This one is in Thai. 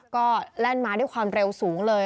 ก็แล่นมาด้วยความเร็วสูงเลย